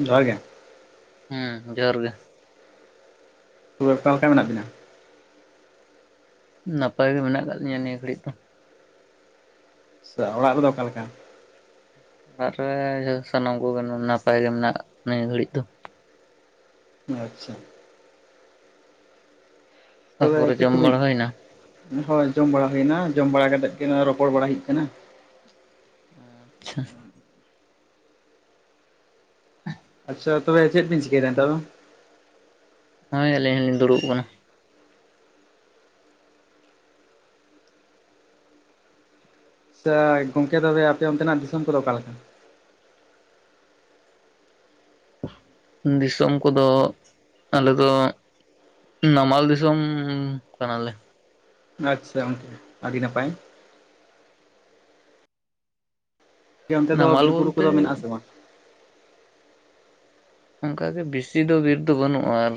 ᱡᱚᱦᱟᱨ ᱜᱮ, ᱦᱩᱸ ᱡᱚᱦᱟᱨ ᱜᱮ, ᱛᱚ ᱚᱠᱟ ᱞᱮᱠᱟ ᱢᱮᱱᱟᱜ ᱵᱤᱱᱟ? ᱱᱟᱯᱟᱭ ᱜᱮ ᱢᱮᱱᱟᱜ ᱟᱠᱟᱫ ᱞᱤᱧᱟ ᱱᱤᱭᱟᱹ ᱜᱷᱟᱹᱲᱤᱡ ᱫᱚ, ᱥᱚ ᱚᱲᱟᱜ ᱨᱮᱫᱚ ᱚᱠᱟᱞᱮᱠᱟ? ᱚᱲᱟᱜ ᱨᱮ ᱥᱟᱱᱟᱢ ᱠᱚᱜᱮ ᱱᱟᱯᱟᱭ ᱜᱮ ᱢᱮᱱᱟᱜ ᱱᱤᱭᱟᱹ ᱜᱷᱟᱹᱲᱤᱡ ᱫᱚ, ᱟᱪᱪᱷᱟ, ᱛᱚᱵᱮ ᱛᱟᱯᱚᱨᱮ ᱪᱮᱫ ᱡᱚᱢ ᱠᱚ ᱢᱤᱫ ᱵᱟᱲᱟ ᱦᱩᱭᱱᱟ ᱦᱳᱭ ᱡᱚᱢ ᱵᱟᱲᱟ ᱦᱩᱭ ᱮᱱᱟ ᱡᱚᱢ ᱵᱟᱲᱟ ᱠᱟᱛᱮᱫ ᱜᱮ ᱨᱚᱯᱚᱲ ᱵᱟᱲᱟ ᱦᱩᱭᱩᱜ ᱠᱟᱱᱟ ᱟᱪᱪᱷᱟ ᱟᱪᱪᱷᱟ ᱛᱚᱵᱮ ᱪᱮᱫ ᱵᱤᱱ ᱪᱤᱠᱟᱹᱭᱮᱫᱟ ᱱᱮᱛᱟᱨ ᱫᱚ ᱦᱳᱭ ᱟᱹᱞᱤᱧ ᱦᱚᱸ ᱞᱤᱧ ᱫᱩᱲᱩᱵ ᱟᱠᱟᱱᱟ ᱟᱪᱪᱷᱟ ᱜᱚᱝᱠᱮ ᱛᱚᱵᱮ ᱟᱯᱮ ᱚᱱᱛᱮᱱᱟᱜ ᱫᱤᱥᱚᱢ ᱠᱚᱫᱚ ᱚᱠᱟᱞᱮ ᱞᱮᱠᱟ ᱫᱤᱥᱚᱢ ᱠᱚᱫᱚ ᱟᱞᱮ ᱫᱚ ᱦᱩᱸ ᱱᱟᱢᱟᱞ ᱫᱤᱥᱚᱢ ᱠᱟᱱᱟᱞᱮ ᱟᱪᱪᱷᱟ ᱜᱚᱢᱠᱮ ᱟᱹᱰᱤ ᱱᱟᱯᱟᱭ ᱜᱟᱢᱠᱮ ᱚᱱᱛᱮ ᱫᱚ ᱱᱟᱢᱟᱞ ᱵᱤᱨ ᱵᱩᱨᱩ ᱵᱚᱞᱛᱮ ᱠᱚᱫᱚ ᱢᱮᱱᱟᱜ ᱟ ᱥᱮ ᱵᱟᱝ ᱚᱱᱠᱟᱜᱮ ᱵᱮᱥᱤ ᱫᱚ ᱵᱤᱨ ᱫᱚ ᱵᱟᱹᱱᱩᱜᱼᱟ ᱟᱨ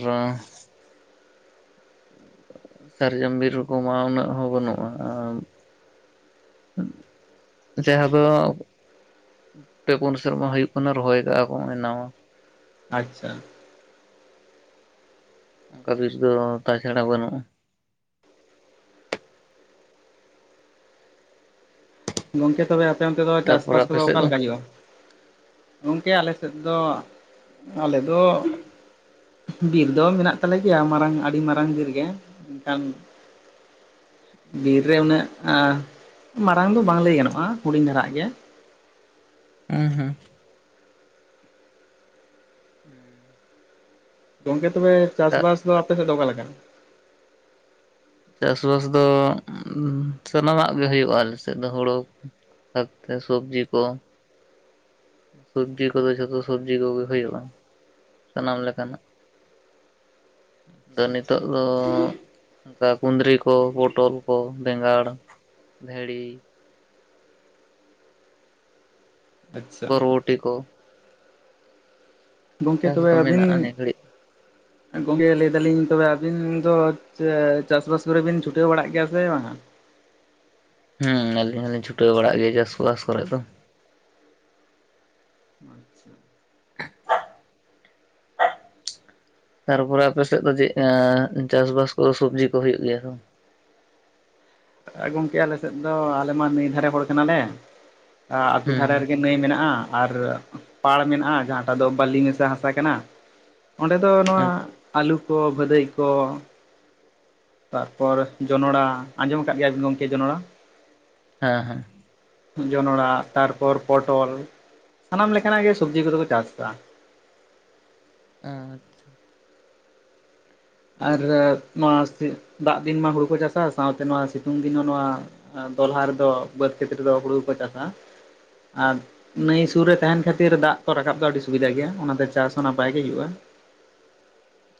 ᱥᱟᱨᱡᱚᱢ ᱵᱤᱨ ᱠᱚᱢᱟ ᱩᱱᱟᱹᱜ ᱦᱚᱸ ᱵᱟᱹᱱᱩᱜᱼᱟ ᱡᱟᱦᱟᱸ ᱫᱚ ᱯᱮ ᱯᱩᱱ ᱥᱮᱨᱢᱟ ᱦᱩᱭᱩᱜ ᱠᱟᱱᱟ ᱨᱚᱦᱚᱭ ᱠᱟᱜᱼᱟ ᱠᱚ ᱱᱟᱣᱟ ᱾ ᱟᱪᱪᱷᱟ ᱚᱠᱟ ᱵᱤᱨ ᱫᱚ ᱛᱟᱪᱷᱟᱲᱟ ᱵᱟᱹᱱᱩᱜᱼᱟ ᱜᱚᱢᱠᱮ ᱛᱚᱵᱮ ᱟᱯᱮ ᱚᱱᱛᱮ ᱫᱚ ᱛᱟᱨᱯᱚᱨᱮ ᱪᱟᱥᱵᱟᱥ ᱟᱯᱮ ᱠᱚᱫᱚ ᱥᱮᱫ ᱚᱠᱟ ᱫᱚ ᱞᱮᱠᱟ ᱦᱩᱭᱩᱜᱼᱟ ᱜᱚᱢᱠᱮ ᱟᱞᱮᱥᱮᱫ ᱫᱚ ᱟᱞᱮᱫᱚ ᱵᱤᱨ ᱫᱚ ᱢᱮᱱᱟᱜ ᱛᱟᱞᱮ ᱜᱮᱭᱟ ᱢᱟᱨᱟᱝ ᱟᱹᱰᱤ ᱢᱟᱨᱟᱝ ᱵᱤᱨ ᱜᱮ ᱢᱮᱱᱠᱷᱟᱱ ᱵᱤᱨ ᱨᱮ ᱩᱱᱟᱹᱜ ᱢᱟᱨᱟᱝ ᱫᱚ ᱵᱟᱝ ᱞᱟᱹᱭ ᱜᱟᱱᱚᱜᱼᱟ ᱦᱩᱰᱤᱧ ᱫᱷᱟᱨᱟ ᱜᱮ ᱦᱩᱸ ᱦᱩᱸ ᱜᱚᱢᱠᱮ ᱛᱚᱵᱮ ᱪᱟᱥ ᱵᱟᱥ ᱫᱚ ᱟᱯᱮ ᱥᱮᱫ ᱫᱚ ᱚᱠᱟ ᱞᱮᱠᱟ ᱪᱟᱥᱵᱟᱥ ᱫᱚ ᱥᱟᱱᱟᱢᱼᱟᱜ ᱜᱮ ᱦᱩᱭᱩᱜᱼᱟ ᱟᱞᱮ ᱥᱮᱫ ᱫᱚ ᱦᱳᱲᱳ ᱥᱚᱵᱡᱤ ᱠᱚ ᱥᱚᱵᱡᱤ ᱠᱚᱫᱚ ᱡᱷᱚᱛᱚ ᱥᱚᱵᱡᱤ ᱠᱚᱜᱮ ᱦᱩᱭᱩᱜᱼᱟ ᱥᱟᱱᱟᱢ ᱞᱮᱠᱟᱱᱟᱜ ᱫᱚ ᱱᱤᱛᱚᱜ ᱫᱚ ᱚᱱᱠᱟ ᱠᱩᱸᱫᱽᱨᱤ ᱠᱚ ᱯᱚᱴᱚᱞ ᱠᱚ ᱵᱮᱸᱜᱟᱲ ᱵᱷᱮᱲᱤ ᱟᱪᱪᱷᱟ ᱵᱳᱨᱵᱚᱴᱤ ᱠᱚ ᱜᱚᱢᱠᱮ ᱪᱟᱥ ᱛᱚᱵᱮ ᱫᱚ ᱟᱹᱵᱤᱱ ᱢᱮᱱᱟᱜᱼᱟ ᱱᱤᱭᱟᱹ ᱜᱷᱟᱹᱲᱤᱡ ᱜᱚᱢᱠᱮ ᱞᱟᱹᱭ ᱫᱟᱞᱤᱧ ᱛᱚᱵᱮ ᱟᱹᱵᱤᱱ ᱫᱚ ᱪᱟᱥᱵᱟᱥ ᱠᱚᱨᱮ ᱵᱤᱱ ᱪᱷᱩᱴᱟᱹᱣ ᱵᱟᱲᱟᱜ ᱜᱮᱭᱟ ᱥᱮ ᱵᱟᱝᱟ ᱦᱩᱸ ᱟᱞᱤᱧ ᱦᱚᱞᱤᱧ ᱪᱷᱩᱴᱟᱹᱣ ᱵᱟᱲᱟᱜ ᱜᱮᱭᱟ ᱪᱟᱥ ᱵᱟᱥ ᱠᱚᱨᱮᱜ ᱫᱚ ᱟᱪᱪᱷᱟ ᱛᱟᱨᱯᱚᱨᱮ ᱟᱯᱮᱥᱮᱫ ᱫᱚ ᱪᱮᱫ ᱪᱟᱥ ᱵᱟᱥ ᱠᱚ ᱥᱚᱵᱽᱡᱤ ᱠᱚ ᱦᱩᱭᱩᱜ ᱜᱮᱭᱟ ᱥᱮ ᱵᱟ ᱜᱚᱝᱠᱮ ᱟᱞᱮ ᱥᱮᱫ ᱫᱚ ᱟᱞᱮ ᱢᱟ ᱱᱟᱹᱭ ᱫᱷᱟᱨᱮ ᱦᱚᱲ ᱠᱟᱱᱟᱞᱮ ᱟᱹᱛᱩ ᱦᱩᱸ ᱫᱷᱟᱨᱮ ᱨᱮᱜᱮ ᱱᱟᱹᱭ ᱢᱮᱱᱟᱜᱼᱟ ᱟᱨ ᱯᱟᱲ ᱢᱮᱱᱟᱜᱼᱟ ᱡᱟᱦᱟᱸᱴᱟᱜ ᱫᱚ ᱵᱟᱟᱹᱞᱤ ᱢᱮᱥᱟ ᱦᱟᱥᱟ ᱠᱟᱱᱟ ᱚᱸᱰᱮ ᱫᱚ ᱱᱚᱣᱟ ᱦᱩᱸ ᱟᱹᱞᱩ ᱠᱚ ᱵᱷᱟᱹᱫᱟᱹᱭ ᱠᱚ ᱛᱟᱨᱯᱚᱨ ᱡᱚᱱᱚᱲᱟ ᱟᱸᱡᱚᱢ ᱟᱠᱟᱫ ᱜᱮᱭᱟ ᱜᱚᱢᱠᱮ ᱡᱚᱱᱚᱲᱟ ᱦᱮᱸ ᱦᱮᱸ ᱡᱚᱱᱲᱟ ᱛᱟᱨᱯᱚᱨ ᱯᱚᱴᱚᱞ ᱥᱟᱱᱟᱢ ᱞᱮᱠᱟᱱᱼᱟᱜ ᱜᱮ ᱥᱚᱵᱡᱤ ᱠᱚᱫᱚ ᱠᱚ ᱪᱟᱥ ᱮᱫᱟ ᱟᱪᱪᱷᱟ ᱟᱨ ᱱᱚᱣᱟ ᱫᱟᱜ ᱫᱤᱱ ᱢᱟ ᱦᱩᱲᱩ ᱠᱚ ᱪᱟᱥᱟ ᱥᱟᱶᱛᱮ ᱱᱚᱣᱟ ᱥᱤᱛᱩᱝ ᱫᱤᱱ ᱫᱚ ᱱᱚᱣᱟ ᱫᱚᱞᱦᱟ ᱨᱮᱫᱚ ᱵᱟᱹᱫᱽ ᱠᱷᱮᱛ ᱨᱮᱫᱚ ᱦᱩᱲᱩ ᱠᱚ ᱪᱟᱥᱟ ᱟᱨ ᱱᱤᱭᱟᱹ ᱥᱩᱨ ᱨᱮ ᱛᱟᱦᱮᱱ ᱠᱷᱟᱹᱛᱤᱨ ᱫᱟᱜ ᱠᱚ ᱨᱟᱠᱟᱵ ᱫᱚ ᱟᱹᱰᱤ ᱥᱩᱵᱤᱫᱟ ᱜᱮᱭᱟ ᱚᱱᱟᱛᱮ ᱪᱟᱥ ᱦᱚᱸ ᱱᱟᱯᱟᱭ ᱜᱮ ᱦᱩᱭᱩᱜᱼᱟ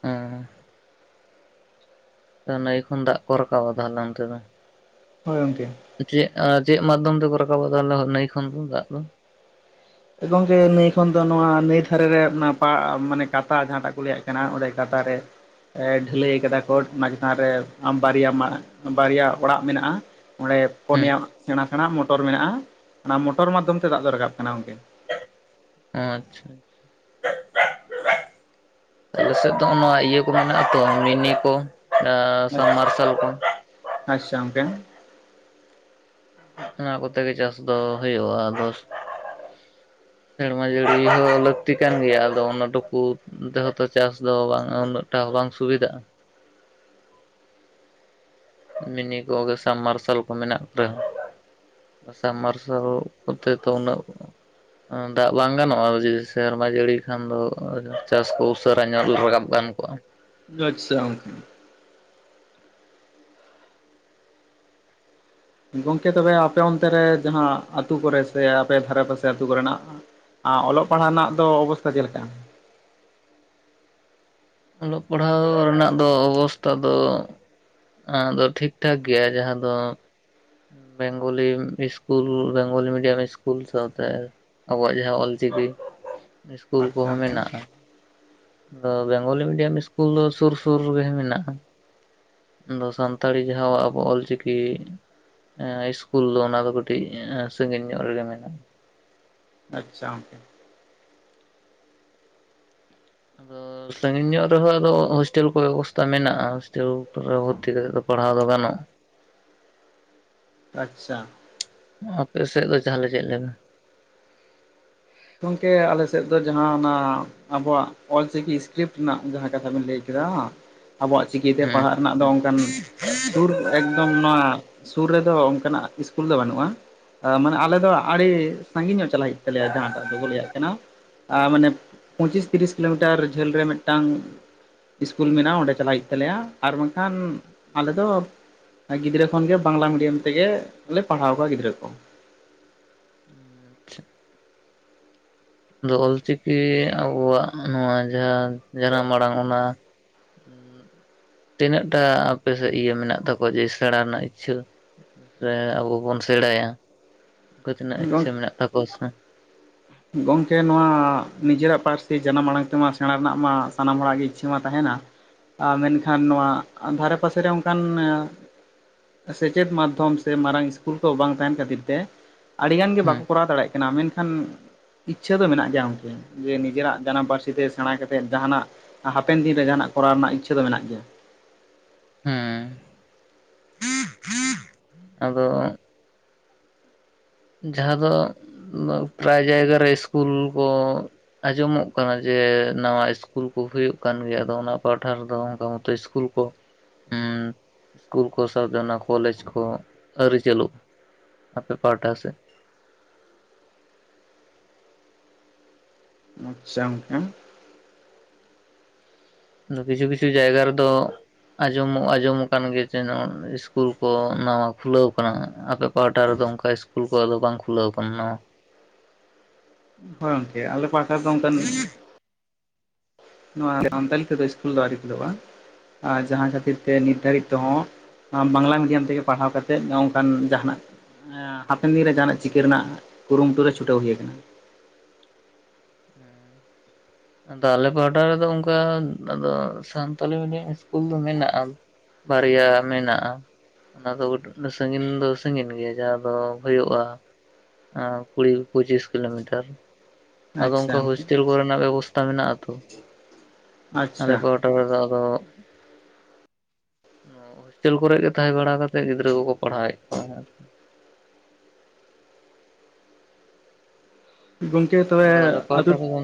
ᱚ ᱱᱟᱹᱭ ᱠᱷᱚᱱ ᱫᱟᱜ ᱠᱚ ᱨᱟᱠᱟᱵ ᱟ ᱛᱟᱞᱦᱮ ᱚᱱᱛᱮ ᱫᱚ ᱦᱳᱭ ᱜᱚᱢᱠᱮ ᱪᱮᱫ ᱪᱮᱫ ᱢᱟᱫᱽᱫᱷᱚᱢ ᱛᱮᱠᱚ ᱨᱟᱠᱟᱵᱟ ᱛᱟᱦᱞᱮ ᱱᱟᱹᱭ ᱠᱷᱚᱱ ᱫᱚ ᱫᱟᱜ ᱫᱚ ᱜᱚᱝᱠᱮ ᱱᱟᱹᱭ ᱠᱷᱚᱱ ᱫᱚ ᱱᱚᱣᱟ ᱱᱟᱹᱭ ᱫᱷᱟᱨᱮ ᱨᱮ ᱢᱟᱱᱮ ᱠᱟᱛᱟ ᱡᱟᱦᱟᱸᱴᱟᱜ ᱠᱚ ᱞᱟᱹᱭᱮᱫ ᱠᱟᱱᱟ ᱚᱸᱰᱮ ᱠᱟᱛᱟ ᱨᱮ ᱰᱷᱟᱹᱞᱟᱹᱭ ᱠᱟᱫᱟ ᱠᱚ ᱚᱱᱟ ᱪᱮᱛᱟᱱ ᱨᱮ ᱵᱟᱨᱭᱟ ᱵᱟᱨᱭᱟ ᱚᱲᱟᱜ ᱢᱮᱱᱟᱜᱼᱟ ᱚᱸᱰᱮ ᱯᱱᱭᱟ ᱥᱮᱬᱟ ᱥᱮᱬᱟ ᱢᱚᱴᱚᱨ ᱢᱮᱱᱟᱜᱼᱟ ᱚᱱᱟ ᱢᱚᱴᱚᱨ ᱢᱟᱫᱽᱫᱷᱚᱢ ᱛᱮ ᱫᱟᱜ ᱫᱚ ᱨᱟᱠᱟᱵ ᱠᱟᱱᱟ ᱜᱟᱢᱠᱮ ᱟᱪᱪᱷᱟ [inaudible] [unintelligible] ᱟᱞᱮ ᱥᱮᱫ ᱫᱚ ᱚᱱᱟ ᱤᱭᱟᱹ ᱠᱚ ᱢᱮᱱᱟᱜ-ᱟ ᱛᱚ ᱢᱤᱱᱤ ᱠᱚ ᱟᱪᱪᱷᱟ ᱥᱟᱢᱟᱨᱥᱟᱞ ᱠᱚ ᱟᱪᱪᱷᱟ ᱜᱚᱢᱠᱮ ᱚᱱᱟ ᱠᱚᱛᱮ ᱜᱮ ᱪᱟᱥ ᱫᱚ ᱦᱳᱭᱳᱜᱼᱟ᱾ ᱟᱫᱚ ᱥᱮᱨᱢᱟ ᱡᱟᱹᱲᱤ ᱦᱚᱸ ᱞᱟᱹᱠᱛᱤ ᱠᱟᱱ ᱜᱮᱭᱟ ᱟᱫᱚ ᱚᱱᱟ ᱴᱩᱠᱩ ᱛᱮ ᱦᱚᱸᱛᱚ ᱪᱟᱥ ᱫᱚ ᱵᱟᱝ ᱩᱱᱟᱹᱜ ᱴᱟ ᱵᱟᱝ ᱥᱩᱵᱤᱫᱟᱜᱼᱟ᱾ ᱢᱤᱱᱤ ᱠᱚᱜᱮ ᱥᱟᱢ ᱢᱟᱨᱥᱟᱞ ᱠᱚ ᱢᱮᱱᱟᱜ ᱨᱮᱦᱚᱸ ᱥᱟᱢ ᱢᱟᱨᱥᱟᱞ ᱠᱚᱛᱮ ᱛᱚ ᱩᱱᱟᱹᱜ ᱫᱟᱜ ᱵᱟᱝ ᱜᱟᱱᱚᱜᱼᱟ ᱡᱤ ᱥᱮᱨᱢᱟ ᱡᱟᱹᱲᱤ ᱠᱷᱟᱱ ᱫᱚ ᱪᱟᱥ ᱠᱚ ᱩᱥᱟᱹᱨᱟ ᱧᱚᱜ ᱨᱟᱠᱟᱵ ᱜᱟᱱ ᱠᱚᱜᱼᱟ᱾ ᱟᱪᱪᱷᱟ ᱜᱚᱝᱠᱮ ᱜᱚᱢᱠᱮ ᱛᱚᱵᱮ ᱟᱯᱮ ᱚᱱᱛᱮ ᱨᱮ ᱡᱟᱦᱟᱸ ᱟᱹᱛᱩ ᱠᱚᱨᱮ ᱥᱮ ᱟᱯᱮ ᱫᱷᱟᱨᱮ ᱯᱟᱥᱮ ᱟᱹᱛᱩ ᱠᱚ ᱨᱮᱱᱟᱜ ᱚᱞᱚᱜ ᱯᱟᱲᱦᱟᱜ ᱨᱮᱱᱟᱜ ᱫᱚ ᱚᱵᱚᱥᱛᱟ ᱪᱮᱫ ᱞᱮᱠᱟ? ᱚᱞᱚᱜ ᱯᱟᱲᱦᱟᱣ ᱨᱮᱱᱟᱜ ᱫᱚ ᱚᱵᱚᱥᱛᱟ ᱫᱚ ᱟ ᱫᱚ ᱴᱷᱤᱠ ᱴᱷᱟᱠ ᱜᱮᱭᱟ ᱡᱟᱦᱟᱸ ᱫᱚ Bengali school Bengali medium school ᱥᱟᱶᱛᱮ ᱟᱵᱚᱣᱟᱜ ᱡᱟᱦᱟᱸ ᱚᱞ ᱪᱤᱠᱤ ᱥᱠᱩᱞ ᱟᱪᱪᱷᱟ ᱠᱚᱦᱚᱸ ᱜᱚᱝᱠᱮ ᱢᱮᱱᱟᱜᱼᱟ᱾ ᱟᱫᱚ ᱵᱮᱝᱜᱚᱞᱤ ᱢᱤᱰᱤᱭᱟᱢ ᱥᱠᱩᱞ ᱫᱚ ᱥᱩᱨ ᱥᱩᱨ ᱨᱮ ᱜᱮ ᱢᱮᱱᱟᱜᱼᱟ᱾ ᱟᱫᱚ ᱥᱟᱱᱛᱟᱲᱤ ᱡᱟᱦᱟᱸ ᱟᱵᱚ ᱚᱞ ᱪᱤᱠᱤ ᱤᱥᱠᱩᱞ ᱫᱚ ᱚᱱᱟ ᱫᱚ ᱠᱟᱹᱴᱤᱡ ᱥᱟᱜᱤᱧ ᱧᱚᱜ ᱨᱮ ᱜᱮ ᱢᱮᱱᱟᱜᱼᱟ᱾ ᱟᱪᱪᱷᱟ ᱟᱫᱚ ᱥᱟᱺᱜᱤᱧ ᱧᱚᱜ ᱨᱮᱦᱚᱸ ᱟᱫᱚ ᱦᱳᱥᱴᱮᱞ ᱠᱚ ᱵᱮᱵᱚᱥᱛᱟ ᱢᱮᱱᱟᱜᱼᱟ ᱦᱳᱥᱴᱮᱞ ᱨᱮ ᱵᱷᱚᱨᱛᱤ ᱠᱟᱛᱮ ᱫᱚ ᱯᱟᱲᱦᱟᱣ ᱫᱚ ᱜᱟᱱᱚᱜᱼᱟ᱾ ᱟᱪᱪᱷᱟ ᱟᱯᱮ ᱥᱮᱫ ᱫᱚ ᱡᱟᱦᱟᱸᱞᱮ ᱪᱮᱫ ᱞᱮᱠᱟ? ᱜᱚᱝᱠᱮ ᱟᱞᱮ ᱥᱮᱫ ᱫᱚ ᱡᱟᱦᱟᱸᱟ ᱚᱱᱟ ᱟᱵᱚᱣᱟᱜ ᱚᱞ ᱪᱤᱠᱤ ᱤᱥᱠᱨᱤᱯᱴ ᱨᱮᱱᱟᱜ ᱡᱟᱦᱟᱸ ᱠᱟᱛᱷᱟ ᱵᱤᱱ ᱞᱟᱹᱭ ᱠᱮᱫᱟ᱾ ᱟᱵᱚᱣᱟᱜ ᱪᱤᱠᱤᱛᱮ ᱦᱩᱸ ᱯᱟᱲᱦᱟᱜ ᱨᱮᱱᱟᱜ ᱫᱚ ᱚᱱᱠᱟᱱ ᱥᱩᱨ ᱮᱠᱫᱚᱢ ᱱᱚᱣᱟ ᱥᱩᱨ ᱨᱮᱫᱚ ᱚᱱᱠᱟᱱᱟᱜ ᱤᱥᱠᱩᱞ ᱫᱚ ᱵᱟᱹᱱᱩᱜᱼᱟ ᱢᱟᱱᱮ ᱟᱞᱮ ᱫᱚ ᱟᱹᱰᱤ ᱥᱟᱺᱜᱤᱧ ᱧᱚᱜ ᱪᱟᱞᱟᱜ ᱦᱩᱭᱩᱜ ᱛᱟᱞᱮᱭᱟ ᱡᱟᱦᱟᱸᱴᱟᱜ ᱫᱚ ᱠᱚ ᱞᱮᱭᱟᱜ ᱠᱟᱱᱟ ᱢᱟᱱᱮ ᱯᱚᱸᱪᱤᱥ ᱛᱤᱨᱤᱥ ᱠᱤᱞᱳ ᱢᱤᱴᱟᱨ ᱡᱷᱟᱹᱞ ᱨᱮ ᱢᱤᱫᱴᱟᱝ ᱤᱥᱠᱩᱞ ᱢᱮᱱᱟᱜᱼᱟ ᱚᱸᱰᱮ ᱪᱟᱞᱟᱜ ᱦᱩᱭᱩᱜ ᱛᱟᱞᱮᱭᱟ, ᱟᱨ ᱵᱟᱝᱠᱷᱟᱱ ᱟᱞᱮ ᱫᱚ ᱜᱤᱫᱽᱨᱟᱹ ᱠᱷᱚᱱᱜᱮ ᱵᱟᱝᱞᱟ ᱢᱤᱰᱤᱭᱟᱢ ᱛᱮᱜᱮ ᱞᱮ ᱯᱟᱲᱦᱟᱣ ᱠᱚᱣᱟ ᱜᱤᱫᱽᱨᱟᱹ ᱠᱚ ᱟᱪᱪᱷᱟ ᱟᱫᱚ ᱚᱞ ᱪᱤᱠᱤ ᱟᱵᱚᱣᱟᱜ ᱱᱚᱣᱟ ᱡᱟᱦᱟᱸ ᱡᱟᱱᱟᱢ ᱟᱲᱟᱝ ᱚᱱᱟ ᱦᱩᱸ ᱛᱤᱱᱟᱹᱜ ᱴᱟ ᱟᱯᱮ ᱥᱮᱫ ᱤᱭᱟᱹ ᱢᱮᱱᱟᱜ ᱛᱟᱠᱚᱣᱟ ᱡᱮ ᱥᱮᱬᱟ ᱨᱮᱱᱟᱜ ᱤᱪᱪᱷᱟᱹ ᱟᱵᱚ ᱵᱚᱱ ᱥᱮᱬᱟᱭᱟ ᱛᱤᱱᱟᱹᱜ ᱤᱪᱪᱷᱟᱹ ᱢᱮᱱᱟᱜ ᱛᱟᱠᱚᱣᱟ ᱥᱮ ᱜᱚᱝᱠᱮ ᱱᱚᱣᱟ ᱱᱤᱡᱮᱨᱟᱜ ᱯᱟᱹᱨᱥᱤ ᱡᱟᱱᱟᱢ ᱟᱲᱟᱝ ᱛᱮᱢᱟ ᱥᱮᱬᱟ ᱨᱮᱱᱟᱜ ᱢᱟ ᱥᱟᱱᱟᱢ ᱦᱚᱲᱟᱜ ᱜᱮ ᱤᱪᱪᱷᱟᱹ ᱢᱟ ᱛᱟᱦᱮᱱᱟ᱾ ᱢᱮᱱ ᱠᱷᱟᱱ ᱱᱚᱣᱟ ᱫᱷᱟᱨᱮ ᱯᱟᱥᱮ ᱨᱮ ᱚᱱᱠᱟᱱ ᱥᱮᱪᱮᱫ ᱢᱟᱫᱷᱚᱢ ᱥᱮ ᱢᱟᱨᱟᱝ ᱥᱠᱩᱞ ᱠᱚ ᱵᱟᱝ ᱛᱟᱦᱮᱱ ᱠᱷᱟᱹᱛᱤᱨ ᱛᱮ ᱟᱹᱰᱤ ᱜᱟᱱ ᱜᱮ ᱦᱩᱸ ᱵᱟᱠᱚ ᱠᱚᱨᱟᱣ ᱫᱟᱲᱮᱜ ᱠᱟᱱᱟ ᱢᱮᱱ ᱠᱷᱟᱱ ᱤᱪᱪᱷᱟᱹ ᱫᱚ ᱢᱮᱱᱟᱜ ᱜᱮᱭᱟ ᱜᱚᱝᱠᱮ ᱡᱮ ᱱᱤᱡᱮᱨᱟᱜ ᱡᱟᱱᱟᱢ ᱯᱟᱹᱨᱥᱤ ᱛᱮ ᱥᱮᱬᱟ ᱠᱟᱛᱮᱫ ᱡᱟᱦᱟᱱᱟᱜ ᱦᱟᱯᱮᱱ ᱫᱤᱱ ᱨᱮ ᱡᱟᱦᱟᱱᱟᱜ ᱠᱚᱨᱟᱣ ᱨᱮᱱᱟᱜ ᱤᱪᱪᱷᱟᱹ ᱫᱚ ᱢᱮᱱᱟᱜ ᱜᱮᱭᱟ᱾ ᱦᱮᱸ ᱦᱮᱸ ᱟᱫᱚ ᱡᱟᱦᱟᱸ ᱫᱚ ᱯᱨᱟᱭ ᱡᱟᱭᱜᱟ ᱨᱮ ᱤᱥᱠᱩᱞ ᱠᱚ ᱟᱸᱡᱚᱢᱚᱜ ᱠᱟᱱᱟ ᱡᱮ ᱱᱟᱣᱟ ᱤᱥᱠᱩᱞ ᱠᱚ ᱦᱩᱭᱩᱜ ᱠᱟᱱ ᱜᱮᱭᱟ ᱟᱫᱚ ᱚᱱᱟ ᱯᱟᱦᱴᱷᱟ ᱨᱮᱫᱚ ᱚᱱᱠᱟ ᱢᱚᱛᱚ ᱤᱥ ᱥᱠᱩᱞ ᱠᱚ ᱦᱩᱸ ᱥᱠᱩᱞ ᱠᱚ ᱥᱟᱶᱛᱮ ᱚᱱᱟ ᱠᱚᱞᱮᱡᱽ ᱠᱚ ᱟᱹᱨᱤ ᱪᱟᱹᱞᱩᱜ ᱟᱯᱮ ᱯᱟᱦᱴᱟ ᱥᱮᱜ ᱟᱪᱪᱷᱟ ᱜᱚᱝᱠᱮ ᱠᱤᱪᱷᱩ ᱠᱤᱪᱷᱩ ᱡᱟᱭᱜᱟ ᱨᱮ ᱫᱚ ᱟᱸᱡᱚᱢ ᱟᱸᱡᱚᱢ ᱟᱠᱟᱱ ᱜᱮ ᱡᱮ ᱱᱚ ᱤᱥᱠᱩᱞ ᱠᱚ ᱱᱟᱣᱟ ᱠᱷᱩᱞᱟᱹᱣ ᱠᱟᱱᱟ ᱟᱯᱮ ᱯᱟᱦᱴᱟ ᱨᱮᱫᱚ ᱚᱱᱠᱟ ᱤᱥᱠᱩᱞ ᱠᱚ ᱟᱫᱚ ᱵᱟᱝ ᱠᱷᱩᱞᱟᱹᱣ ᱟᱠᱟᱱᱟ ᱦᱳᱭ ᱜᱚᱝᱠᱮ ᱟᱞᱮ ᱯᱟᱦᱴᱟ ᱨᱮᱫᱚ ᱚᱱᱠᱟᱱ ᱱᱚᱣᱟ ᱥᱟᱱᱛᱟᱞᱤ ᱛᱮᱫᱟ ᱥᱠᱩᱞ ᱫᱚ ᱟᱹᱶᱨᱤ ᱠᱷᱩᱞᱚᱜ-ᱟ ᱟᱨ ᱡᱟᱦᱟᱸ ᱠᱷᱟᱹᱛᱤᱨ ᱛᱮ ᱱᱤᱨᱫᱷᱟᱨᱤᱛ ᱛᱮᱦᱚᱸ ᱵᱟᱝᱞᱟ ᱢᱤᱰᱤᱭᱟᱢ ᱛᱮᱜᱮ ᱯᱟᱲᱦᱟᱣ ᱠᱟᱛᱮ ᱱᱚᱝᱠᱟᱱ ᱡᱟᱦᱱᱟᱜ ᱦᱟᱯᱮᱱ ᱫᱤᱱᱨᱮ ᱡᱟᱦᱟᱱᱟᱜ ᱪᱤᱠᱟᱹ ᱨᱮᱱᱟᱜ ᱠᱩᱨᱩᱢᱩᱴᱩ ᱨᱮ ᱪᱷᱩᱴᱟᱹᱣ ᱦᱩᱭ ᱟᱠᱟᱱᱟ ᱦᱮᱸ ᱟᱫᱚ ᱟᱞᱮ ᱯᱟᱦᱴᱟ ᱨᱮᱫᱚ ᱚᱱᱠᱟ ᱥᱟᱱᱛᱟᱞᱤ ᱢᱤᱰᱤᱭᱟᱢ ᱤᱥᱠᱩᱞ ᱫᱚ ᱢᱮᱱᱟᱜ-ᱟ ᱵᱟᱨᱭᱟ ᱢᱮᱱᱟᱜ-ᱟ ᱚᱱᱟ ᱫᱚ ᱥᱟᱺᱜᱤᱧ ᱫᱚ ᱥᱟᱺᱜᱤᱧ ᱜᱮᱭᱟ ᱡᱟᱦᱟᱸ ᱫᱚ ᱦᱩᱭᱩᱜ-ᱟ ᱠᱩᱲᱤ ᱯᱚᱸᱪᱤᱥ ᱠᱤᱞᱳᱢᱤᱴᱟᱨ ᱟᱫᱚ ᱟᱪᱪᱷᱟ ᱚᱱᱠᱟ ᱦᱳᱥᱴᱮᱞ ᱠᱚᱨᱮᱱᱟᱜ ᱵᱮᱵᱚᱥᱛᱟ ᱢᱮᱱᱟᱜ ᱟᱛᱚ ᱟᱞᱮ ᱟᱪᱪᱷᱟ ᱯᱟᱦᱴᱟ ᱨᱮᱫᱚ ᱟᱫᱚ ᱦᱳᱥᱴᱮᱞ ᱠᱚᱨᱮ ᱜᱮ ᱛᱟᱦᱮᱸ ᱵᱟᱲᱟ ᱠᱟᱛᱮᱜ ᱜᱤᱫᱽᱨᱟᱹ ᱠᱚ ᱠᱚ ᱯᱟᱲᱦᱟᱣᱮᱫ ᱠᱚᱣᱟ ᱟᱨ ᱠᱤ ᱜᱚᱢᱠᱮ ᱛᱚᱵᱮ ᱟᱫᱚ ᱟᱞᱮ ᱟᱫᱚ ᱯᱟᱦᱴᱟ ᱨᱮᱫᱚ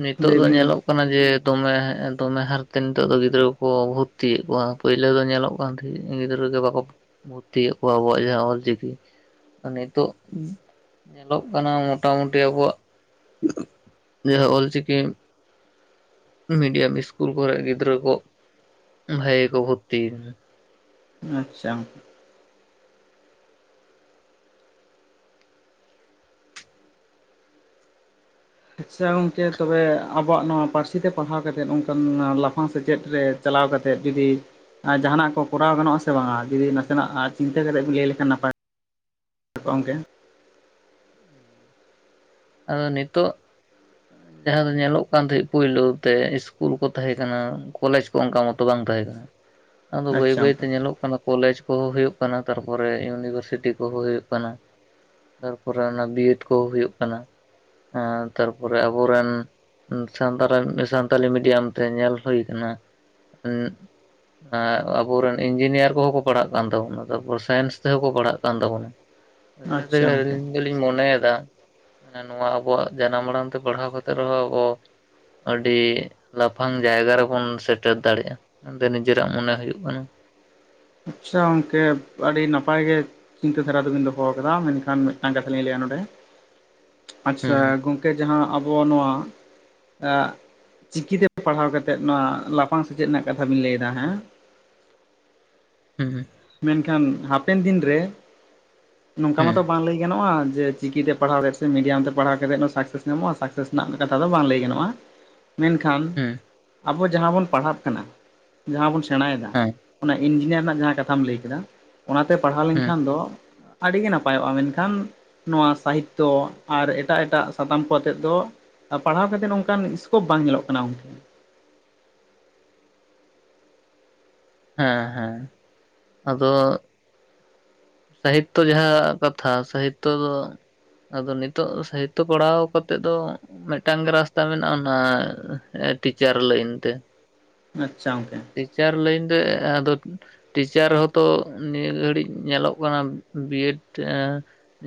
ᱱᱤᱛᱚᱜ ᱞᱟᱹᱭ ᱫᱚ ᱵᱤᱱ ᱜᱚᱢᱠᱮ ᱧᱮᱞᱚᱜ ᱠᱟᱱᱟ ᱡᱮ ᱫᱚᱢᱮ ᱫᱚᱢᱮ ᱦᱟᱨᱛᱮ ᱱᱤᱛᱚᱜ ᱫᱚ ᱜᱤᱫᱽᱨᱟᱹ ᱠᱚᱠᱚ ᱵᱷᱚᱨᱛᱤᱭᱮᱫ ᱠᱚᱣᱟ ᱯᱳᱭᱞᱳ ᱫᱚ ᱧᱮᱞᱚᱜ ᱯᱟᱱᱛᱷᱤ ᱜᱤᱫᱽᱨᱟᱹ ᱜᱮ ᱵᱟᱠᱚ ᱵᱷᱩᱨᱛᱤᱭᱮᱫ ᱠᱚᱣᱟ ᱠᱚ ᱡᱮ ᱚᱞ ᱪᱤᱠᱤ ᱱᱤᱛᱚᱜ ᱧᱮᱞᱚᱜ ᱠᱟᱱᱟ ᱢᱚᱴᱟᱢᱩᱴᱤ ᱟᱵᱚᱣᱟᱜ ᱡᱟᱦᱟᱸ ᱚᱞ ᱪᱤᱠᱤ ᱢᱤᱰᱤᱭᱟᱢ ᱥᱠᱩᱞ ᱠᱚᱨᱮ ᱜᱤᱫᱽᱨᱟᱹ ᱠᱚ ᱵᱷᱟᱜᱮ ᱠᱚ ᱵᱷᱚᱨᱛᱤ ᱠᱟᱱᱟ ᱟᱪᱪᱷᱟ ᱟᱪᱪᱷᱟ ᱜᱚᱝᱠᱮ ᱛᱚᱵᱮ ᱟᱵᱚᱣᱟᱜ ᱱᱚᱣᱟ ᱯᱟᱹᱨᱥᱤ ᱛᱮ ᱯᱟᱲᱦᱟᱣ ᱠᱟᱛᱮᱫ ᱚᱱᱠᱟᱱ ᱞᱟᱯᱷᱟᱝ ᱥᱮᱪᱮᱫ ᱨᱮ ᱪᱟᱞᱟᱣ ᱠᱟᱛᱮᱫ ᱡᱩᱫᱤ ᱡᱟᱦᱟᱱᱟᱜ ᱠᱚ ᱠᱚᱨᱟᱣ ᱜᱟᱱᱚᱜ-ᱟ ᱥᱮ ᱵᱟᱝᱟ ᱡᱩᱫᱤ ᱱᱟᱥᱮᱱᱟᱜ ᱪᱤᱱᱛᱟᱹ ᱠᱟᱛᱮ ᱵᱤᱱ ᱞᱟᱹᱭ ᱞᱮᱠᱷᱟᱱ ᱱᱟᱯᱟᱭ ᱜᱚᱢᱠᱮ ᱟᱫᱚ ᱱᱤᱛᱚᱜ ᱡᱟᱦᱟᱸ ᱫᱚ ᱧᱮᱞᱚᱜ ᱠᱟᱱ ᱛᱟᱦᱮᱜ ᱯᱩᱭᱞᱳ ᱛᱮ ᱤᱥᱠᱩᱞ ᱠᱚ ᱛᱟᱦᱮᱸ ᱠᱟᱱᱟ ᱠᱚᱞᱮᱡᱽ ᱠᱚ ᱚᱱᱠᱟ ᱢᱚᱛᱚ ᱵᱟᱝ ᱛᱟᱦᱮᱸ ᱠᱟᱱᱟ ᱟᱫᱚ ᱵᱟᱹᱭ ᱟᱪᱪᱷᱟ ᱵᱟᱹᱭᱛᱮ ᱜᱚᱢᱠᱮ ᱧᱮᱞᱚᱜ ᱠᱟᱱᱟ ᱠᱚᱞᱮᱡᱽ ᱠᱚᱦᱚᱸ ᱦᱩᱭᱩᱜ ᱠᱟᱱᱟ ᱛᱟᱨᱯᱚᱨᱮ ᱤᱭᱩᱱᱤᱵᱷᱟᱨᱥᱤᱴᱤ ᱠᱚᱦᱚᱸ ᱦᱩᱭᱩᱜ ᱠᱟᱱᱟ ᱛᱟᱨᱯᱚᱨᱮ ᱚᱱᱟ ᱵᱤᱴ ᱠᱚ ᱦᱩᱭᱩᱜ ᱠᱟᱱᱟ ᱦᱮᱸ ᱛᱟᱨᱯᱚᱨᱮ ᱟᱵᱚᱨᱮᱱ ᱥᱟᱱᱛᱟᱲ ᱥᱟᱱᱛᱟᱞᱤ ᱢᱤᱰᱤᱭᱟᱢ ᱛᱮ ᱧᱮᱞ ᱦᱩᱭ ᱠᱟᱱᱟ ᱟᱵᱩᱨᱮᱱ ᱤᱧᱡᱤᱱᱤᱭᱟᱨ ᱠᱚᱦᱚᱸ ᱠᱚ ᱯᱟᱲᱦᱟᱜ ᱠᱟᱱ ᱛᱟᱵᱚᱱᱟ ᱛᱟᱨᱯᱚᱨ ᱥᱟᱭᱮᱱᱥ ᱛᱮᱦᱚᱸᱠᱚ ᱯᱟᱲᱦᱟᱜ ᱠᱟᱱ ᱛᱟᱵᱚᱱᱟ ᱚᱱᱟ ᱛᱮ ᱟᱪᱪᱷᱟ ᱜᱚᱢᱠᱮ ᱟᱹᱞᱤᱧ ᱫᱚᱞᱤᱧ ᱢᱚᱱᱮᱭᱮᱫᱟ ᱢᱟᱱᱮ ᱱᱚᱣᱟ ᱟᱵᱚᱣᱟᱜ ᱡᱟᱱᱟᱢ ᱟᱲᱟᱝ ᱛᱮ ᱯᱟᱲᱦᱟᱣ ᱠᱟᱛᱮᱜ ᱨᱮᱦᱚᱸ ᱟᱵᱚ ᱟᱹᱰᱤ ᱞᱟᱯᱷᱟᱝ ᱡᱟᱭᱜᱟ ᱨᱮᱵᱚᱱ ᱥᱮᱴᱮᱨ ᱫᱟᱲᱮᱭᱟᱜ-ᱟ ᱚᱸᱰᱮ ᱱᱤᱡᱮᱨᱟᱜ ᱢᱚᱱᱮ ᱦᱩᱭᱩᱜ ᱠᱟᱱᱟ ᱟᱪᱪᱷᱟ ᱜᱚᱝᱠᱮ ᱟᱹᱰᱤ ᱱᱟᱯᱟᱭ ᱜᱮ ᱪᱤᱱᱛᱟᱹ ᱫᱷᱟᱨᱟ ᱫᱚᱵᱤᱱ ᱫᱚᱦᱚ ᱟᱠᱟᱫᱟ ᱢᱮᱱᱠᱷᱟᱱ ᱢᱤᱫᱴᱟᱝ ᱠᱟᱛᱷᱟ ᱞᱤᱧ ᱞᱟᱹᱭᱟ ᱱᱚᱸᱰᱮ [inaudible] ᱟᱪᱪᱷᱟ ᱜᱚᱝᱠᱮ ᱡᱟᱦᱟᱸ ᱟᱵᱚᱣᱟᱜ ᱱᱚᱣᱟ ᱟᱜ ᱪᱤᱠᱤᱛᱮ ᱯᱟᱲᱦᱟᱣ ᱠᱟᱛᱮᱫ ᱱᱚᱣᱟ ᱞᱟᱯᱷᱟᱝ ᱥᱮᱪᱮᱫ ᱨᱮᱱᱟᱜ ᱠᱟᱛᱷᱟ ᱵᱤᱱ ᱞᱟᱹᱭ ᱫᱟ ᱦᱮᱸ ᱦᱩᱸ ᱦᱩᱸ ᱢᱮᱱᱠᱷᱟᱱ ᱦᱟᱯᱮᱱ ᱫᱤᱱ ᱨᱮ ᱱᱚᱝᱠᱟ ᱦᱩᱸ ᱢᱟᱛᱚ ᱵᱟᱝ ᱞᱟᱹᱭ ᱜᱟᱱᱚᱜ-ᱟ ᱡᱮ ᱪᱤᱠᱤ ᱛᱮ ᱯᱟᱲᱦᱟᱣ ᱠᱟᱛᱮᱫ ᱥᱮ ᱢᱤᱰᱤᱭᱟᱢ ᱛᱮ ᱯᱟᱲᱦᱟᱣ ᱠᱟᱛᱮᱫ ᱥᱟᱠᱥᱮᱥ ᱧᱟᱢᱚᱜ-ᱟ ᱥᱟᱠᱥᱮᱥ ᱨᱮᱱᱟᱜ ᱠᱟᱛᱷᱟ ᱫᱚ ᱵᱟᱝ ᱞᱟᱹᱭ ᱜᱟᱱᱚᱜ-ᱟ ᱢᱮᱱᱠᱷᱟᱱ ᱦᱩᱸ ᱦᱮᱸ ᱟᱵᱚ ᱡᱟᱦᱟᱸ ᱵᱚᱱ ᱯᱟᱲᱦᱟᱜ ᱠᱟᱱᱟ ᱡᱟᱦᱟᱸ ᱵᱚᱱ ᱥᱮᱬᱟᱭᱮᱫᱟ ᱦᱮ ᱚᱱᱮ ᱤᱧᱡᱤᱱᱤᱭᱟᱨ ᱨᱮᱱᱟᱜ ᱡᱟᱦᱟᱸ ᱠᱟᱛᱷᱟᱢ ᱞᱟᱹᱭ ᱠᱮᱫᱟ ᱚᱱᱟᱛᱮ ᱯᱟᱲᱦᱟᱣ ᱦᱮᱸ ᱞᱮᱱᱠᱷᱟᱱ ᱫᱚ ᱟᱹᱰᱤ ᱜᱮ ᱱᱟᱯᱟᱭᱚᱜ-ᱟ ᱢᱮᱱᱠᱷᱟᱱ ᱱᱚᱣᱟ ᱥᱟᱦᱤᱛᱛᱚ ᱟᱨ ᱮᱴᱟᱜ ᱮᱴᱟᱜ ᱥᱟᱛᱟᱢ ᱠᱚ ᱟᱛᱮᱫ ᱫᱚ ᱟᱨ ᱯᱟᱲᱦᱟᱣ ᱠᱟᱛᱮᱫ ᱚᱱᱠᱟᱱ ᱤᱥᱠᱳᱯ ᱵᱟᱝ ᱧᱮᱞᱚᱜ ᱠᱟᱱᱟ ᱜᱚᱝᱠᱮ ᱦᱮ ᱦᱮ ᱟᱫᱚ ᱥᱟᱦᱤᱛᱛᱚ ᱡᱟᱦᱟᱸ ᱠᱟᱛᱷᱟ ᱥᱟᱦᱤᱛᱛᱚ ᱫᱚ ᱟᱫᱚ ᱱᱤᱛᱚᱜ ᱥᱟᱦᱤᱛᱛᱚ ᱯᱟᱲᱦᱟᱣ ᱠᱟᱛᱮᱜ ᱫᱚ ᱢᱤᱫᱴᱟᱝ ᱜᱮ ᱨᱟᱥᱛᱟ ᱢᱮᱱᱟᱜᱼᱟ ᱚᱱᱟ ᱴᱤᱪᱟᱨ ᱞᱟᱹᱭᱤᱱ ᱛᱮ ᱟᱪᱪᱷᱟ ᱜᱚᱝᱠᱮ ᱴᱤᱪᱟᱨ ᱞᱟᱹᱭᱤᱱ ᱨᱮ ᱟᱫᱚ ᱴᱤᱪᱟᱨ ᱦᱚᱸᱛᱚ ᱱᱤᱭᱟᱹ ᱜᱷᱟᱹᱲᱤᱡ ᱧᱮᱞᱚᱜ ᱠᱟᱱᱟ ᱵᱤᱭᱮᱰ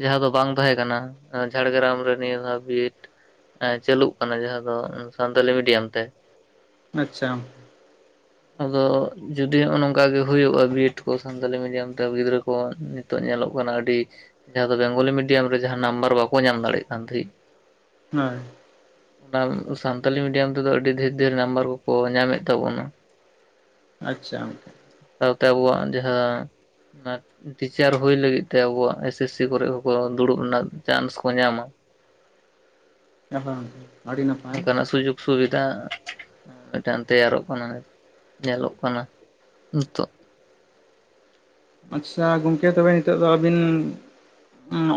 ᱡᱟᱦᱟᱸ ᱫᱚ ᱵᱟᱝ ᱛᱟᱦᱮᱸ ᱠᱟᱱᱟ ᱾ ᱡᱷᱟᱲᱜᱨᱟᱢ ᱨᱮ ᱱᱤᱭᱟᱹ ᱫᱷᱟᱣ ᱵᱤ ᱮᱵ ᱪᱟᱹᱞᱩᱜ ᱠᱟᱱᱟ ᱡᱟᱦᱟᱸ ᱫᱚ ᱥᱟᱱᱛᱟᱞᱤ ᱢᱤᱰᱤᱭᱟᱢ ᱛᱮ ᱟᱪᱪᱷᱟ ᱟᱫᱚ ᱡᱩᱫᱤ ᱱᱚᱜᱼᱚ ᱱᱚᱝᱠᱟ ᱜᱮ ᱦᱩᱭᱩᱜᱼᱟ ᱵᱤ ᱮᱰ ᱠᱚ ᱥᱟᱱᱛᱟᱞᱤ ᱢᱤᱰᱤᱭᱟᱢ ᱛᱮ ᱜᱤᱫᱽᱨᱟᱹ ᱠᱚ ᱠᱚ ᱱᱤᱛᱚᱜ ᱧᱮᱞᱚᱜ ᱠᱟᱱᱟ ᱟᱹᱰᱤ ᱡᱟᱦᱟᱸ ᱫᱚ ᱵᱮᱝᱜᱚᱞᱤ ᱢᱤᱰᱤᱭᱟᱢ ᱨᱮ ᱡᱟᱦᱟᱸ ᱱᱟᱢᱵᱟᱨ ᱵᱟᱠᱚ ᱧᱟᱢ ᱫᱟᱲᱮᱭᱟᱜ ᱠᱟᱱ ᱛᱟᱦᱮᱸᱫ [unintelligible] ᱚᱱᱟ ᱥᱟᱱᱛᱟᱞᱤ ᱢᱤᱰᱤᱭᱟᱢ ᱛᱮᱫᱚ ᱟᱹᱰᱤ ᱫᱷᱮᱨ ᱫᱷᱮᱨ ᱱᱟᱢᱵᱟᱨ ᱠᱚ ᱠᱚ ᱧᱟᱢᱮᱫ ᱛᱟᱵᱚᱱᱟ ᱾ [inaudible] ᱟᱪᱪᱷᱟ ᱜᱚᱝᱠᱮ ᱥᱟᱶᱛᱮ ᱟᱵᱚᱣᱟᱜ ᱡᱟᱦᱟᱸ ᱴᱤᱪᱟᱨ ᱦᱩᱭ ᱞᱟᱹᱜᱤᱫ ᱛᱮ ᱟᱵᱚᱣᱟᱜ ᱮᱥ ᱮᱥ ᱥᱤ ᱠᱚᱨᱮ ᱦᱚᱸᱠᱚ ᱫᱩᱲᱩᱵ ᱨᱮᱱᱟᱜ ᱪᱟᱱᱥ ᱠᱚ ᱧᱟᱢᱟ [inaudible] ᱟᱹᱰᱤ ᱱᱟᱯᱟᱭ ᱚᱱᱠᱟᱱᱟᱜ ᱥᱩᱡᱳᱜᱽ ᱥᱩᱵᱤᱫᱷᱟ ᱢᱤᱫᱴᱟᱝ ᱛᱮᱭᱟᱨᱚᱜ ᱠᱟᱱᱟ ᱧᱮᱞᱚᱜ ᱠᱟᱱᱟ ᱱᱤᱛᱚᱜ ᱟᱪᱪᱷᱟ ᱜᱚᱝᱠᱮ ᱛᱚᱵᱮ ᱱᱤᱛᱚᱜ ᱫᱚ ᱟᱹᱵᱤᱱ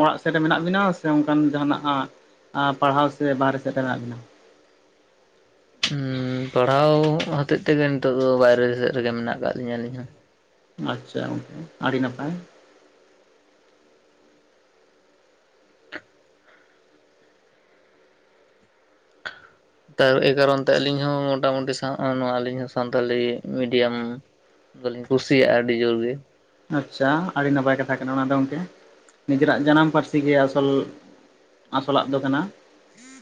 ᱚᱲᱟᱜ ᱥᱮᱫ ᱨᱮ ᱢᱮᱱᱟᱜ ᱵᱤᱱᱟ ᱥᱮ ᱚᱱᱠᱟᱱ ᱡᱟᱦᱱᱟᱜ ᱯᱟᱲᱦᱟᱣ ᱥᱮ ᱵᱟᱨᱦᱮ ᱥᱮᱫ ᱨᱮ ᱢᱮᱱᱟᱜ ᱵᱤᱱᱟ‌? ᱯᱟᱲᱦᱟᱣ ᱦᱚᱛᱮᱡ ᱛᱮᱜᱮ ᱱᱤᱛᱚᱜ ᱫᱚ ᱵᱟᱭᱨᱮ ᱥᱮᱫ ᱨᱮᱜᱮ ᱢᱮᱱᱟᱜ ᱟᱠᱟᱫ ᱞᱤᱧᱟᱹ ᱟᱹᱞᱤᱧ ᱦᱚᱸ ᱾ ᱟᱪᱪᱷᱟ ᱜᱚᱝᱠᱮ ᱟᱹᱰᱤ ᱱᱟᱯᱟᱭ ᱮᱭ ᱠᱟᱨᱚᱱ ᱛᱮ ᱟᱹᱞᱤᱧ ᱦᱚᱸ ᱢᱳᱴᱟᱢᱩᱴᱤ ᱥᱟᱶ ᱱᱚᱜᱼᱚᱭ ᱟᱹᱞᱤᱧ ᱦᱚᱸ ᱥᱟᱱᱛᱟᱞᱤ ᱢᱤᱰᱤᱭᱟᱢ ᱠᱩᱥᱤᱭᱟᱜᱼᱟ ᱟᱹᱰᱤ ᱡᱳᱨᱜᱮ ᱾ ᱟᱪᱪᱷᱟ ᱟᱹᱰᱤ ᱱᱟᱯᱟᱭ ᱠᱟᱛᱷᱟ ᱠᱟᱱᱟ ᱚᱱᱟ ᱫᱚ ᱜᱚᱝᱠᱮ ᱾ ᱱᱤᱡᱮᱨᱟᱜ ᱡᱟᱱᱟᱢ ᱯᱟᱹᱨᱥᱤ ᱜᱮ ᱟᱥᱚᱞ ᱟᱥᱚᱞᱟᱜ ᱫᱚ ᱠᱟᱱᱟ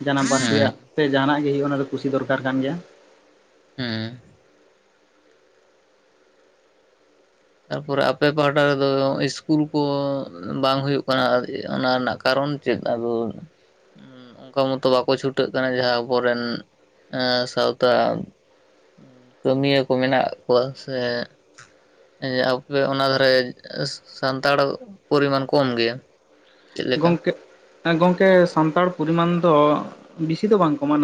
ᱡᱟᱱᱟᱢ ᱯᱟᱹᱨᱥᱤ ᱨᱮᱭᱟᱜ ᱦᱮᱸ ᱛᱮ ᱡᱟᱦᱟᱱᱟᱜ ᱜᱮ ᱦᱳᱭᱳᱜᱼᱟ ᱚᱱᱟ ᱫᱚ ᱠᱩᱥᱤ ᱫᱚᱨᱠᱟᱨ ᱠᱟᱱ ᱜᱮᱭᱟ ᱾ ᱦᱮᱸ ᱛᱟᱨᱯᱚᱨᱮ ᱟᱯᱮ ᱯᱟᱦᱟᱴᱟ ᱨᱮᱫᱚ ᱤᱥᱠᱩᱞ ᱠᱚ ᱵᱟᱝ ᱦᱩᱭᱩᱜ ᱠᱟᱱᱟ ᱚᱱᱟ ᱨᱮᱱᱟᱜ ᱠᱟᱨᱚᱱ ᱪᱮᱫ ᱟᱫᱚ ᱚᱱᱠᱟ ᱢᱚᱛᱚ ᱵᱟᱠᱚ ᱪᱷᱩᱴᱟᱹᱜ ᱠᱟᱱᱟ ᱡᱟᱦᱟᱸ ᱟᱵᱚᱨᱮᱱ ᱥᱟᱶᱛᱟ ᱠᱟᱹᱢᱤᱭᱟᱹ ᱠᱚ ᱢᱮᱱᱟᱜ ᱠᱚᱣᱟ ᱥᱮ? ᱟᱯᱮ ᱚᱱᱟ ᱫᱷᱟᱨᱮ ᱥᱟᱱᱛᱟᱲ ᱯᱚᱨᱤᱢᱟᱱ ᱠᱚᱢ ᱜᱮᱭᱟ? ᱪᱮᱫ ᱞᱮᱠᱟ ᱜᱚᱢᱠᱮ, ᱜᱚᱢᱠᱮ ᱥᱟᱱᱛᱟᱲ ᱯᱚᱨᱤᱢᱟᱱ ᱫᱚ ᱵᱤᱥᱤ ᱫᱚ ᱵᱟᱝ ᱠᱚᱢᱟ